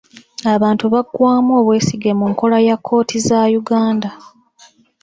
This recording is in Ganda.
Abantu baggwamu obwesige mu nkola ya kkooti za Uganda.